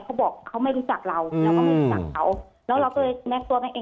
เขาบอกเขาไม่รู้จักเราเราก็ไม่รู้จักเขาแล้วเราก็เลยแม้ตัวแม่เอง